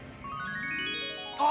あ！